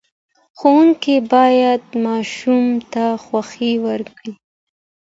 ښوونکي باید ماشوم ته خوښۍ ورکړي.